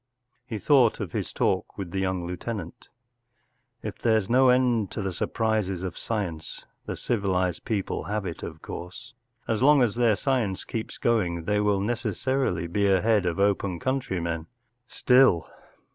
” He thought of his talk with the young lieutenant Al If there’s no end to the surprises of science, the civilized people have it, of course* As long as their science keeps going they will necessarily be ahead of open country men. Still.